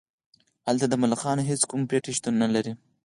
هلته د ملخانو هیڅ کوم پټی شتون نلري